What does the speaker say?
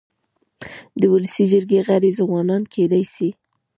د ولسي جرګي غړي ځوانان کيدای سي.